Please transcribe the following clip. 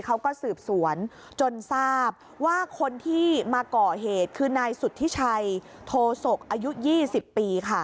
เขาก็สืบสวนจนทราบว่าคนที่มาก่อเหตุคือนายสุธิชัยโทศกอายุ๒๐ปีค่ะ